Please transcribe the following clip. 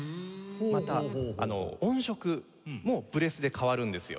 また音色もブレスで変わるんですよ。